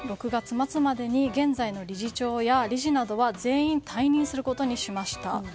６月末までに現在の理事長や理事などは全員退任することにしました。